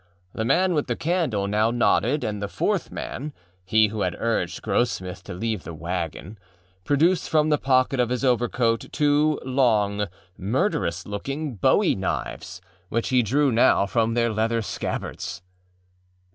The man with the candle now nodded, and the fourth manâhe who had urged Grossmith to leave the wagonâproduced from the pocket of his overcoat two long, murderous looking bowie knives, which he drew now from their leather scabbards.